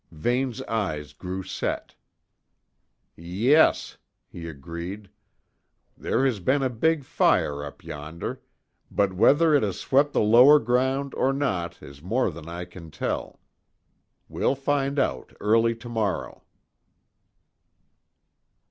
Vane's face grew set. "Yes," he agreed. "There has been a big fire up yonder; but whether it has swept the lower ground or not is more than I can tell. We'll find out early to morrow."